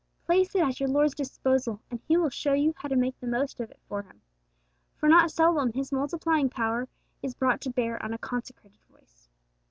Place it at your Lord's disposal, and He will show you how to make the most of it for Him; for not seldom His multiplying power is brought to bear on a consecrated voice.